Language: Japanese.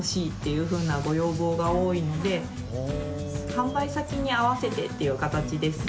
販売先に合わせてっていう形ですね。